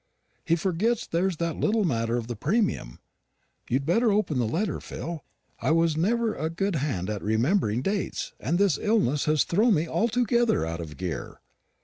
He forgets there's that little matter of the premium. You'd better open the letter, Phil. I never was a good hand at remembering dates, and this illness has thrown me altogether out of gear."